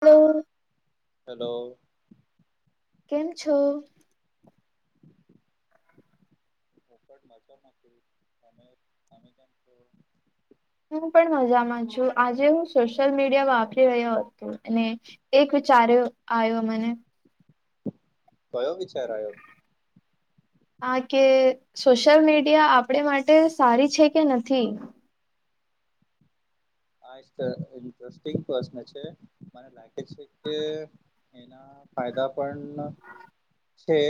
લો hello. કેમ છો? [inaudible] ઉપટ મજા નથી અને પાણીના એમ તો હું પણ મજામાં છું, આજે હું સોશિયલ મીડિયા વાપરી રહ્યો હ અને એક વિચાર્યો આયો મને. કયો વિચાર આયો? આા કે સોશિયલ મીડિયા આપણી માટે સારી છે કે નથી? આ ઈન્સ ઈન્ટરેસ્ટિંગ પ્રશ્ન છે મને લાગે છે કે ફાયદા પણ છે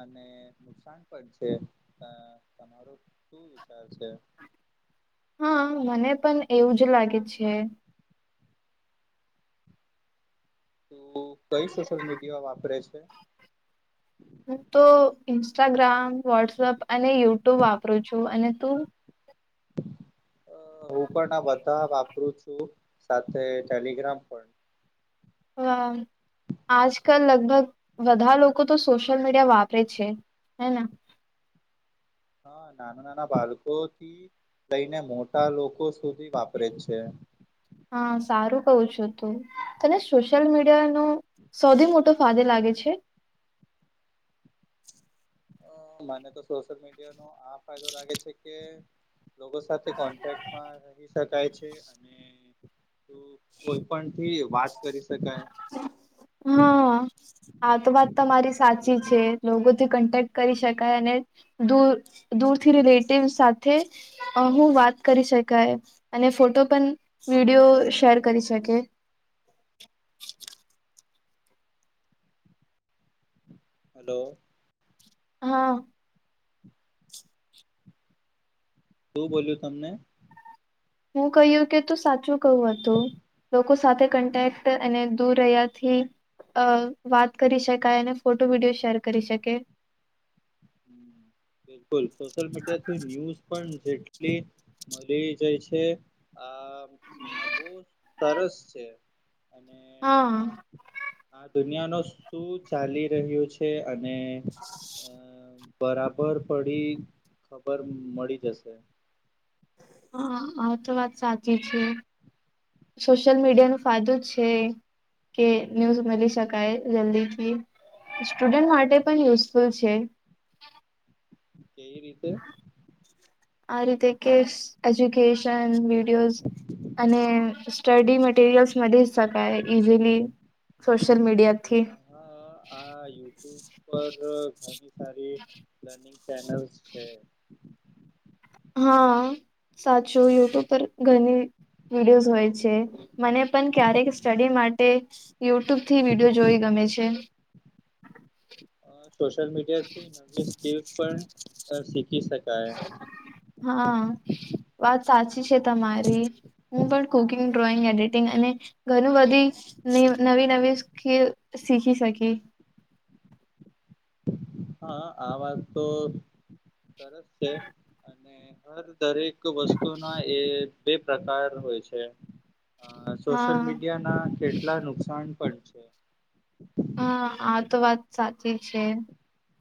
અને નુકસાન પણ છે, તમારો શું વિચાર છે? હા, મને પણ એવું જ લાગે છે. તું કઈ સોશિયલ મીડિયા વાપરે છે? હું તો ઈન્સ્ટાગ્રામ, વોટ્સઅપ અને યુટ્યુ વાપરું છું અને તું? હું પણ આ બધાં વાપરું છું સાથે ટેલિગ્રામ પણ. હા. આજકલ લગભગ બધાંધા લોકો તો સોશિયલ મીડિયા વાપરે છે હે ને? હા નાનાં-નાનાં બાળકોથી લઈને મોટાં લોકો સુધી વાપરે છે. હા સારું કઉ છું તું તને સોશિયલ મીડિયાનું સૌથી મોટો ફાદે લાગે છે. મને તો સોશિયલ મીડિયાનો આ ફાયદો લાગે છે કે લોકો સાથે કોન્ટેક્ટમાં રહી શકાય છે અને તો કોઈ પણ થી વાત કરી શકાય. હા. આ તો વાત તમારી સાચી છે લોકોથી કન્ટેક્ટ કરી શકાય અને દૂર દૂરથી રિલેટિવ સાથે અ હું વાત કરી શકાય અને ફોટો પણ વિડીયો શેર કરી શકે. હલો. હા. શું બોલ્યું તમને? હું કહ્યું કે તું સાચું કઉ હતું લોકો સાથે કન્ટેક્ટ અને દૂર રહ્યાથી અ વાત કરી શકાય અને ફોટો વિડીયો શેર કરી શકે. હમ બિલકુલ સોશિયલ મીડિયાથી ન્યૂઝ પણ જેટલી મળી જાય છે. આ આ બો સરસ છે અ હા. આ દુનિયાનો શું ચાલી રહ્યું છે અને બરાબર પડી ખબર મળી જશે. હા આ તો વાત સાચી છે સોશિયલ મીડિયાનો ફાયદો છે. કે ન્યૂઝ મલી શકાય જલ્દીથી. સ્ટુડન્ટ માટે પણ યુઝફુલ છે. કઈ રીતે? આ રીતે કે એજ્યુકેશન વિડીયોઝ અને સ્ટડી મટેેરિયલ્સ મ જ કાય ઇઝીલી સોશલ મીડિયા હ આ યુટ્યુબ પર ઘણી સારી લર્નિંગ ચેનલ્સ છે હા સાચું યુટ્યુબ પર ઘણી વિડીયોઝ હોય છે મને પણ ક્યારેક સ્ટડી માટે યુટ્યુબ થી વિડીયો જોઈ ગમે છે સોશિયલ મીડિયાથી નવી સ્કીલસ પણ શીખી શકાય હા વાત સાચી છે તમારી હું પણ કુકિંગ ડ્રોઈંગ એડિટિંગ અને ઘણું બધી નવી નવી સ શીખી શકી હા આ વાત તો સરસ છે અને હર દરેક એક વસ્તુ ના એ બે પ્રકાર હોય છે અ સોશિયલ હા મીડિયા ના કેટલા નુકસાન પણ છે હા આ તો વાત સાચી છે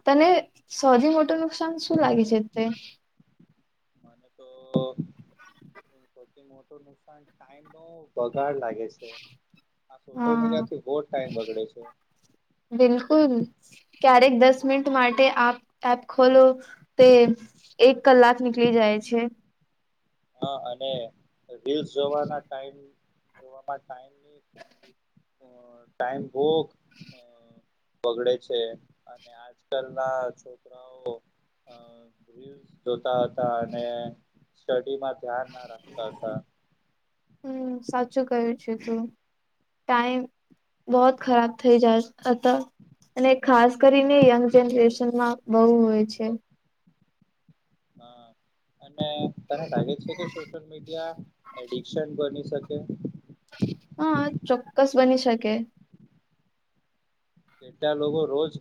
તને સૌથી મોટું નુકસાન શું લાગે છે તે તો સૌથી મોટું નુકસાન ટાઈમ નો વગાડ લાગે છે આ સોશિયલ હા મીડિયાથી બહુ જ ટાઈમ બગડે છે બિલકુલ ક્યારેક દસ મિનિટ માટે આપ એપ ખોલો તે એક કલાક નીકળી જાય છે હા અને રીસ જોવાના ટાઈમ જો ટાઈમની અ ટાઈમ બોક અ બગડે છે અને આજકાલના છોકરાઓ અ જોતા હતા અને સ્ટડીમાં ધ્યાન ના રાખતા હતા હમ સાચું કું છે તું ટાઈમ બહત ખરાબ થઈ જાય અને ખાસ કરીને યંગ જનરેશનમાં બહુ હોય છે હા અને તને લાગે છે કે સોશિયલ મીડિયા એડિકશન બની શકે [inaudible] હા ચોક્કસ બની શકે કેટલા લોકો રોજ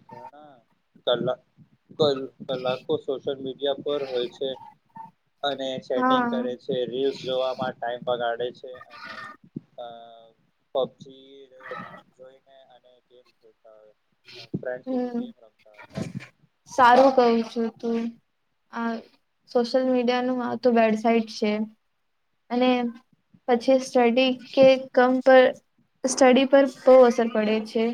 ઘણા કલાકો સોશિયલ મીડિયા પર હોય છે. અને સેટિંગ હા કરે છે રીલ્સ જોવામાં ટાઈમ બગાડે છે અને અ પબજીને જોઈને અને ગેમ ખેલતા ફ્રેન્ડ સુધી હમ ગેમ રમતા હોય સારું કવ છું તું આ સોશિયલ મીડિયા નું આ તો બેડસાઇટ છે અને પછી સ્ટડી કે કામ પર સ્ટડી પર બહુ અસર પડે છે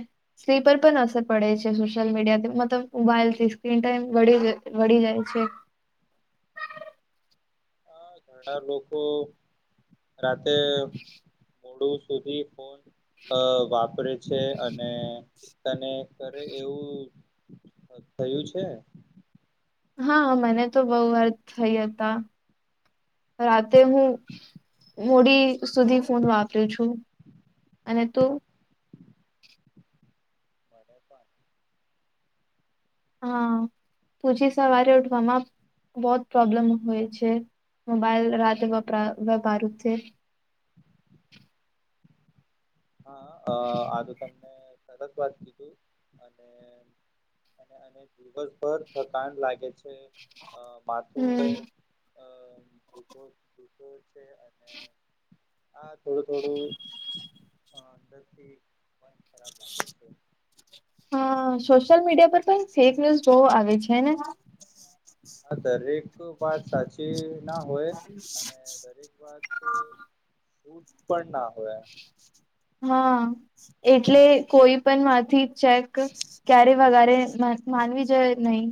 સ્લીપ પણ અસર પડે છે સોશલ મીડિયા થી મતલબ મોબાઇલથી સ્ક્રીન ટાઇમ વધી જાય છે આ ઘણા લોકો રાતે મોડું સુધી ફોન વાપરે છે અને તને કરે એવું થયું છે હા મને તો બહુ વાર થયા હતા રાતે હું મોડી સુધી ફોન વાપરુ છું અને તો મને પણ હા પછી સવારે ઉઠવામાં બહુ પ્રોબ્લેમ હોય છે મોબાઈલ રાતે વપરાય વેપ્રાય છે [unintelligible] હા આ તૉ તમને સરસ વાત કીધી અને અને અને ગુગલ પર થકા લાગે છે હમ માથું દુખે છે [inaudible] હા થોડી થોડી અ અંદરથી મન ખરાબ લાગે છે હ સોશિયલ મીડિયા પર પણ ફેક ન્યુઝ બહુ આવે છેને હા દરેક વાત સાચી ના હોય અને દરેક વાત જૂઠ પણ ના હોય હા એટલે કોઈ પણ માંથી ચેક ક્યારે વધારે માનવી જોઈએ નહી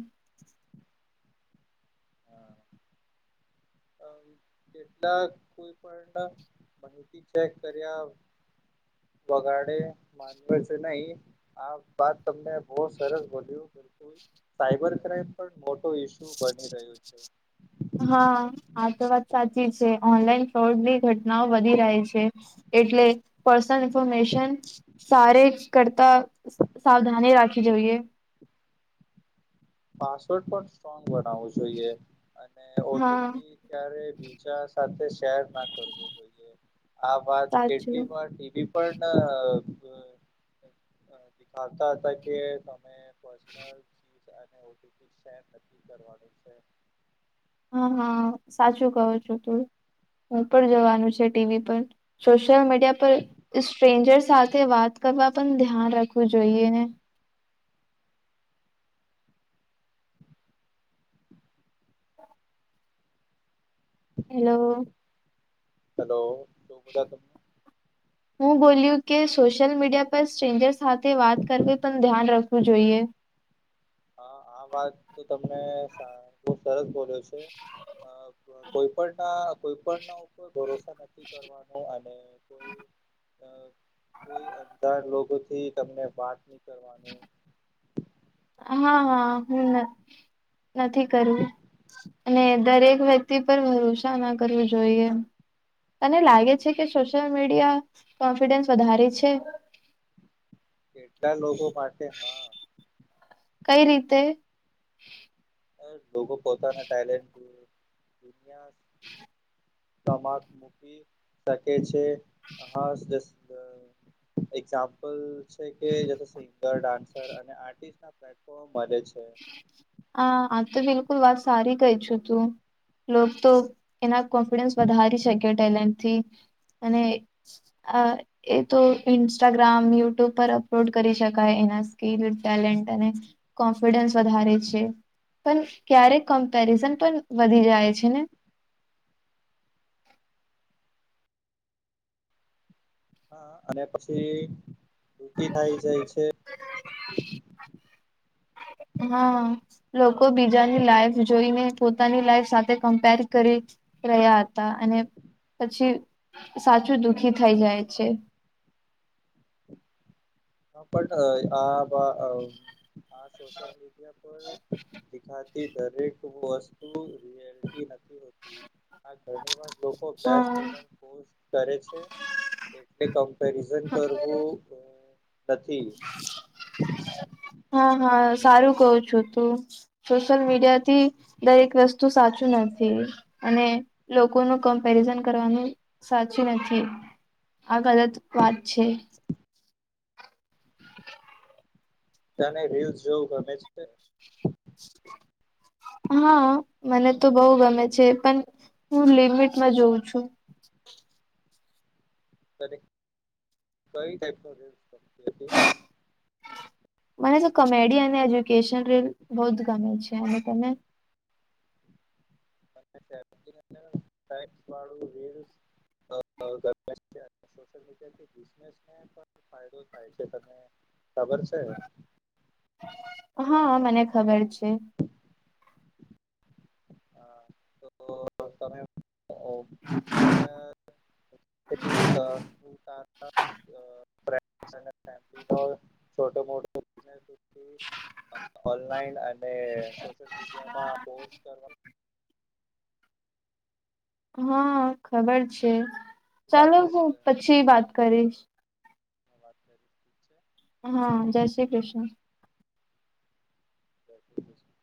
હા કેટલાક કોઈ પણ માહિતી ચેક કર્યા વગાડે માનવે છે નહી આ વાત તમને બહુ સરસ બોલ્યું સાયબર ક્રાઈમ પણ મોટો ઈસ્યુ બની રહ્યો છે હા આ તો વાત સાચી છે ઓનલાઈન ફ્રોડની ઘટનાઓ વધી રહી છે એટલે પર્સનલ ઇન્ફોર્મેશન સારે કરતા સાવધાની રાખવી જોઈએ પાસવર્ડ પણ સ્ટ્રોંગ બનાવવું જોઈએ અને હા ઓટીપી ક્યારેય બીજા સાથે શેર ના કરવો જોઈએ. આ વાત કેટલી સાચું વાર ટીવી પર દેખાવતા હતા કે તમે પર્સનલ ચીજ અને ઓટીપી શેર નથી કરવાનું છે હા હા સાચું કહો છો તું હું પણ જવાનું છે ટીવી પર સોશિયલ મીડિયા પર સ્ટ્રેન્જર સાથે વાત કરવા પણ ધ્યાન રાખવું જોઈએ ને હેલો- - હેલો શું બધા યમો હું બોલ્યું કે સોશિયલ મીડિયા પર સ્ટ્રેન્જર સાથે વાત કરવી પણ ધ્યાન રાખવું જોઈએ. હા આ વાત તમને બહુ સરસ બોલ્યો છે. કોઈ પણ ના કોઈ પણ ના ઉપર ભરોસા નથી કરવાનું અને કોઈ- - કોઈ અલર લોકો થી તમને વાત નહી કરવાનું- - હા હા હું નથી કરવું અને દરેક વ્ય- - પર ભરોસા ના કરવું જોઈએ તને લાગે છે કે સોસીયલ - મીડિયા કોન્ફિડન્સ વધારે છે. કેટલા લોકો માટે હા- - કઈ રીતે? લોકો પોતાના ટેલેન્ટથી દુનિયા- - કમાત મૂકી સકે છે હા. એક્ઝામપલ છે કે સિંગર ડાન્સર અને આટીર્સ્ટ- - પ્લેટફૉમ મળૅ છે. હા આમ તો બિલકુલ વાત સારી કહે છુ તું રોજ એના કોન્ફિડન્સ વધારી શકે્યો ટેલેન્ટથી અને- - એ તો ઇન્સ્ટાગ્રામ યુટ્યુબ પર અપલોડ કરી શકાય એના સ્કીલ ટેલેન્ટ અને- - કોન્ફિડન્સ વધારે છે પણ ક્યારેક કમ્પેરિઝન પણ વધી જાય છે ને- - હા અને પછી દુખી થાય જાય છે. હા. લોકો બીજાની લાઈફ જોઈને પોતાની લાઈફ સાથે કમ્પેર કરી રહ્યા હત તા અને પછી સાચું દુખી થઈ જાય છે. [inaudible] સોશલ મીડિયા પર દેખા- - દરેક વસ્તુ [inaudible] નથી હોતી આ ઘણી વાર- - લોકો બેસ્ટ હા મુમેન્ટ કરે છે એટલે કમ્પેરિઝન કરવું નથી. હા હા સારું કહો છો તું સોશિયલ મીડિયા થી દરેક વસ્તુ સાચું નથી. અને લોકોનું કમ્પેરિઝન કરવાનું સાચું નથી. આ ગલત વાત છે. તને રિલ્સ જોવું ગમે છે? હા મને તો બહુ ગમે છે પણ હું લિમિટમાં જોઉં છું. તને કંઈ ટાઈપ ના [inaudible] મને તો કોમેડી અને એજ્યુકેશન રીલ બહુ જ ગમે છે. અને તમે [unintelligible] સોશિયલ મીડિયા થી બિઝનેસને પણ ફાયદો થાય છે તને ખબર છે. હા મને ખબર છે. હા તો તમે આઈડિયા- - [inaudible] [unintelligible] છોટ મોટો બિઝનેસથી ઓનલાઈન અને- - સોશિયલ મીડિયા માં પોસ્ટ કરવાનું હા ખબર છે વાત ચાલો કરીશ હું પછી તમારી વાત સાથે કરીશ. વાત છે. હા જય શ્રી કૃષ્ણ. જય શ્રી કૃષ્ણ.